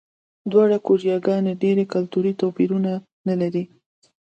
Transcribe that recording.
دواړه کوریاګانې ډېر کلتوري توپیرونه نه لري.